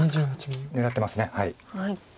狙ってます。